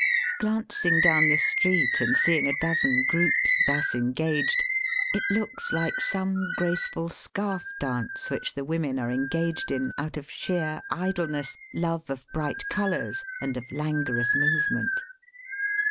Glancing down the street and seeing a dozen groups thus en» :gaged, it looks like some graceful scarf dance which the women are engaged in, out of «heer idleness, love of bright colours, and of langrous movement.